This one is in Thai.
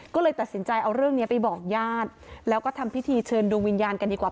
ก็เลยตัดสินใจเอาเรื่องนี้ไปบอกญาติแล้วก็ทำพิธีเชิญดวงวิญญาณกันดีกว่า